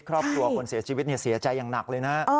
ครอบครัวคนเสียชีวิตเสียใจอย่างหนักเลยนะ